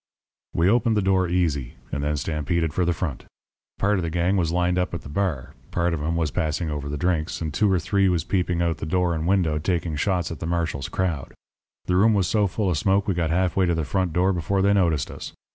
"We opened the door easy, and then stampeded for the front. Part of the gang was lined up at the bar; part of 'em was passing over the drinks, and two or three was peeping out the door and window and taking shots at the marshal's crowd. The room was so full of smoke we got half way to the front door before they noticed us.